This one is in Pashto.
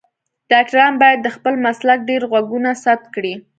ډاکټران باید د خپل مسلک ډیر غږونه ثبت کړی